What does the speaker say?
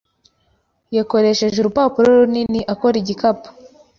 Yakoresheje urupapuro runini akora igikapu.